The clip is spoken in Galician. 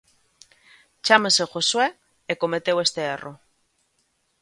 Chámase Josue e cometeu este erro.